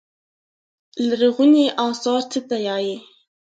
لرغوني اثار څه ته وايي.